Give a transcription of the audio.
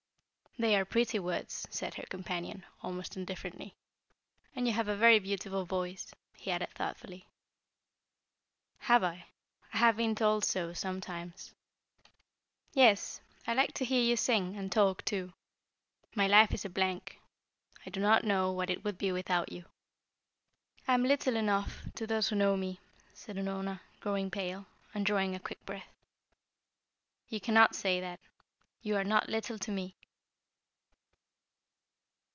"They are pretty words," said her companion, almost indifferently. "And you have a very beautiful voice," he added thoughtfully. "Have I? I have been told so, sometimes." "Yes. I like to hear you sing, and talk, too. My life is a blank. I do not know what it would be without you." "I am little enough to those who know me," said Unorna, growing pale, and drawing a quick breath. "You cannot say that. You are not little to me."